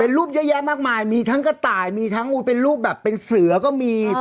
รูปเยอะแยะมากมายมีทั้งกระต่ายมีทั้งเป็นรูปแบบเป็นเสือก็มี